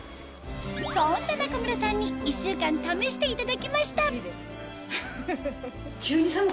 そんな中村さんに１週間試していただきました